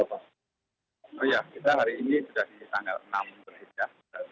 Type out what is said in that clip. oh iya kita hari ini sudah di tanggal enam begitu ya